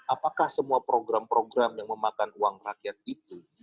apakah semua program program yang memakan uang rakyat itu